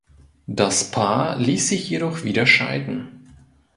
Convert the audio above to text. Das Paar ließ sich jedoch wieder scheiden.